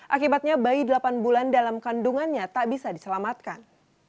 akibatnya bayi delapan bulan dalam kandungannya tak bisa diselamatkan